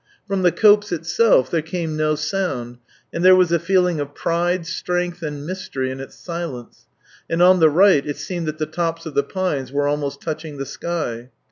From the copse itself there came no sound, and there was a feeling of pride, strength, and mystery in its silence, and on the right it seemed that the tops of the pines were almost touching the sky.